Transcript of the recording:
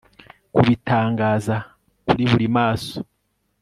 kubitangaza kuri buri maso